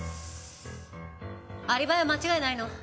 アリバイは間違いないの？